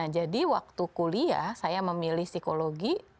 jadi waktu kuliah saya memilih psikologi